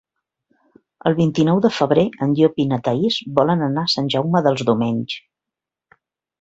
El vint-i-nou de febrer en Llop i na Thaís volen anar a Sant Jaume dels Domenys.